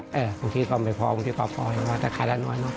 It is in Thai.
บางทีก็ไม่พอบางทีก็พอแต่ขายละน้อย